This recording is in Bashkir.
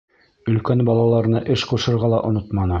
Өлкән балаларына эш ҡушырға ла онотманы.